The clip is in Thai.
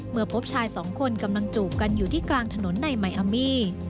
พบชายสองคนกำลังจูบกันอยู่ที่กลางถนนในมายอามี